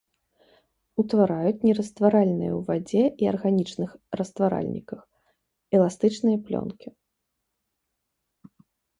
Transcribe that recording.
Утвараюць нерастваральныя ў вадзе і арганічных растваральніках эластычныя плёнкі.